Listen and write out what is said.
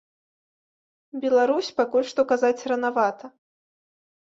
Беларусь, пакуль што казаць ранавата.